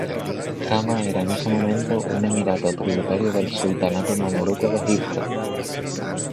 Hama era en ese momento un emirato tributario del sultanato mameluco de Egipto.